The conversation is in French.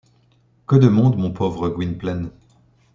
Que de monde, mon pauvre Gwynplaine !